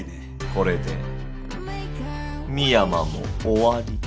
これで深山も終わり。